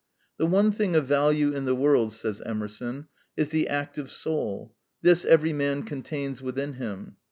"The one thing of value in the world," says Emerson, "is the active soul; this every man contains within him.